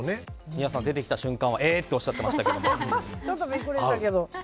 皆さん、出てきた瞬間はえーっておっしゃってましたけど。